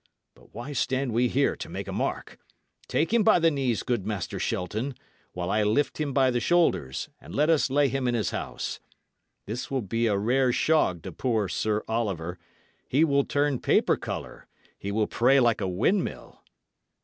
But why stand we here to make a mark? Take him by the knees, good Master Shelton, while I lift him by the shoulders, and let us lay him in his house. This will be a rare shog to poor Sir Oliver; he will turn paper colour; he will pray like a windmill."